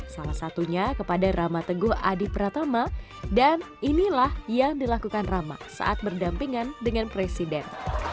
salah satunya kepada rama teguh adi pratama dan inilah yang dilakukan rama saat berdampingan dengan presiden